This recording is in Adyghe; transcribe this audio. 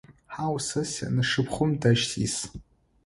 Хьау, сэ сянэшыпхъум дэжь сис.